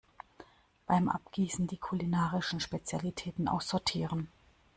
Beim Abgießen die kulinarischen Spezialitäten aussortieren.